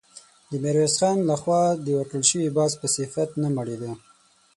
د ميرويس خان له خوا د ورکړل شوي باز په صفت نه مړېده.